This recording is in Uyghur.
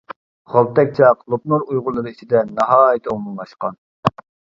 غالتەك چاق لوپنۇر ئۇيغۇرلىرى ئىچىدە ناھايىتى ئومۇملاشقان.